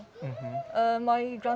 ayah saya adalah minyak kain